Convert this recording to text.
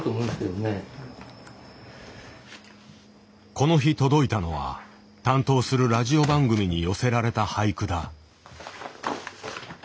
この日届いたのは担当するラジオ番組に寄せられた俳句だ。